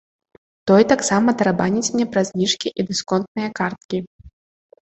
Той таксама тарабаніць мне пра зніжкі і дысконтныя карткі.